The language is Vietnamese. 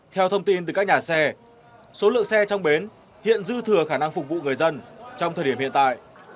theo thông tin từ các nhà xe số lượng xe trong bến hiện dư thừa khả năng phục vụ người dân trong thời điểm hiện tại